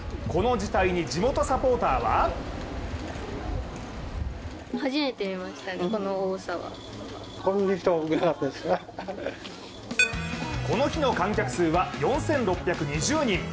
この事態に、地元サポーターはこの日の観客数は４６２０人。